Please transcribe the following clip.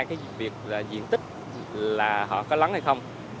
cái việc là diện tích là họ có lắng hay không